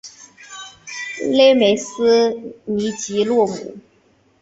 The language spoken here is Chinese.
勒梅斯尼吉洛姆。